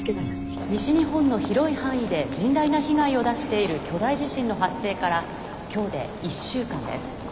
「西日本の広い範囲で甚大な被害を出している巨大地震の発生から今日で１週間です。